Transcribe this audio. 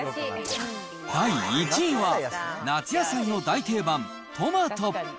第１位は、夏野菜の大定番、トマト。